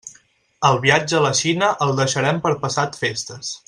El viatge a la Xina el deixarem per passat festes.